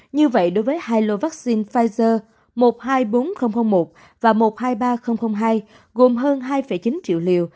như vậy đối với hai lô vaccine pfizer một trăm hai mươi bốn nghìn một và một trăm hai mươi ba nghìn hai gồm hơn hai chín triệu liều